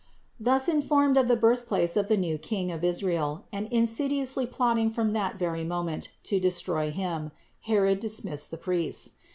558. Thus informed of the birthplace of the new King of Israel, and insidiously plotting from that very moment to destroy Him, Herod dismissed the priests.